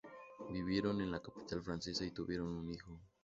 Vivieron en la capital francesa y tuvieron un hijo.